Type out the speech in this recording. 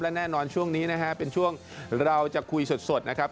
และแน่นอนช่วงนี้นะฮะเป็นช่วงเราจะคุยสดนะครับ